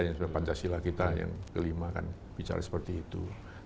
seperti pancasila kita yang kelima kan bicara seperti itu